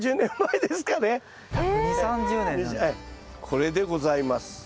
これでございます。